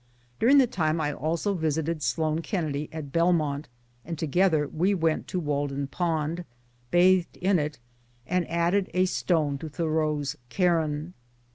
During the time I also visited Sloane Kennedy, At ^Belmont, and together we went to Walden pond, bathed in it, and added a stone to Thoreau's cairn.